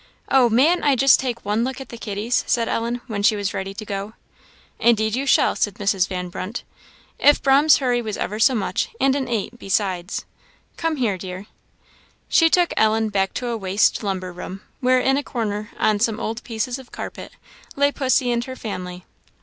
"Oh! mayn't I just take one look at the kitties?" said Ellen, when she was ready to go. "Indeed you shall," said Mrs. Van Brunt, "if 'Brahm's hurry was ever so much; and it ain't, besides. Come here, dear." She took Ellen back to a waste lumber room, where, in a corner, on some old pieces of carpet, lay pussy and her family.